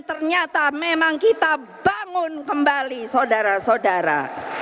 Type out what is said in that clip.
ternyata memang kita bangun kembali saudara saudara